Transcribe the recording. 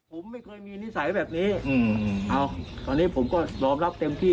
ผมไม่เคยมีนิสัยแบบนี้อืมเอาตอนนี้ผมก็ยอมรับเต็มที่